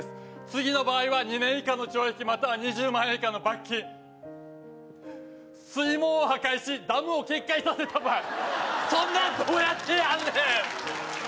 次の場合は２年以下の懲役または２０万円以下の罰金水門を破壊しダムを決壊させた場合そんなんどうやってやんねん！